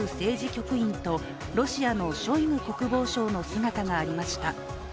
局員とロシアのショイグ国防相の姿がありました。